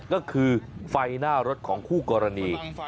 ก็คือไฟหน้ารถของคู่กรณี